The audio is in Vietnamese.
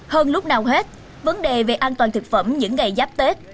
hơn lúc nào hết vấn đề về an toàn thực phẩm những ngày giáp tết